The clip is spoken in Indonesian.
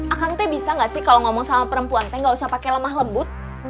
akan teh bisa gak sih kalau ngomong sama perempuan teh gak usah pakai lemah lembut